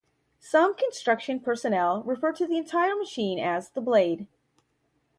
Some construction personnel refer to the entire machine as "the blade".